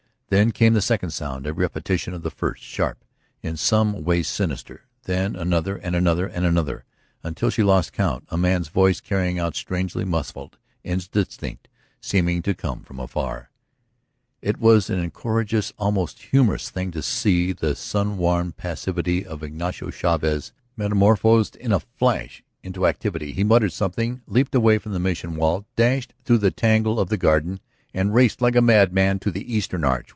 Then came the second sound, a repetition of the first, sharp, in some way sinister. Then another and another and another, until she lost count; a man's voice crying out strangely, muffled. Indistinct, seeming to come from afar. It was an incongruous, almost a humorous, thing to see the sun warmed passivity of Ignacio Chavez metamorphosed in a flash into activity. He muttered something, leaped away from the Mission wall, dashed through the tangle of the garden, and raced like a madman to the eastern arch.